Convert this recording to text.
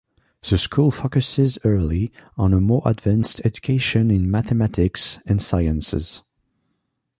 The school focuses early on a more advanced education in mathematics and sciences.